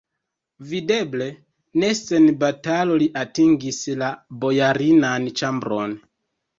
Videble, ne sen batalo li atingis la bojarinan ĉambron.